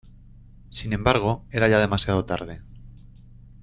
Sin embargo, era ya demasiado tarde.